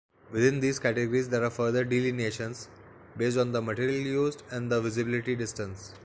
Within these categories there are further delineations based on material used and visibility distance.